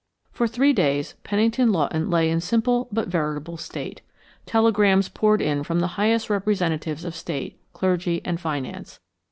For three days Pennington Lawton lay in simple, but veritable state. Telegrams poured in from the highest representatives of State, clergy and finance.